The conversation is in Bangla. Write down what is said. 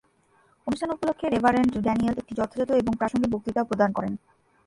অনুষ্ঠান উপলক্ষে রেভারেন্ড ড্যানিয়েল একটি যথাযথ এবং প্রাসঙ্গিক বক্তৃতা প্রদান করেন।